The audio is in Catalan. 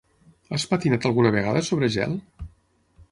Has patinat alguna vegada sobre gel?